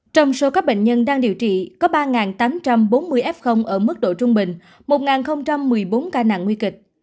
trong số các bệnh nhân đang điều trị có ba tám trăm bốn mươi f ở mức độ trung bình một một mươi bốn ca nặng nguy kịch